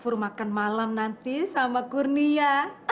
suruh makan malam nanti sama kurnia